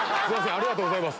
ありがとうございます。